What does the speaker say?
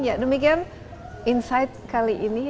ya demikian insight kali ini